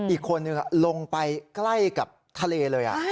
อีกคนนึงลงไปใกล้กับทะเลเลย